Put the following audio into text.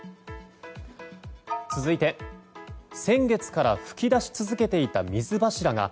続いて先月から噴き出し続けていた水柱が